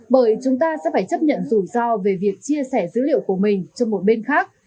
bởi chúng ta sẽ phải chấp nhận rủi ro về việc chia sẻ dữ liệu của mình cho một bên khác